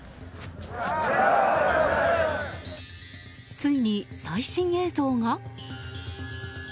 ついに最新映像が？